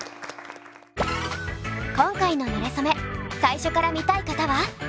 今回の「なれそめ」最初から見たい方は。